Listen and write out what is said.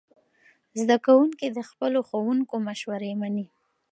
زده کوونکي د خپلو ښوونکو مشورې مني.